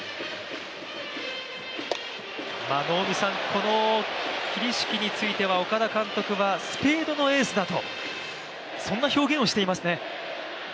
この桐敷については岡田監督はスペードのエースだとそんな表現をしていますね。